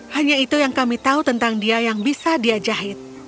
hanya itu yang kami tahu tentang dia yang bisa dia jahit